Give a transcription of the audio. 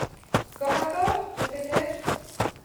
«Corps à corps ? répétai-je.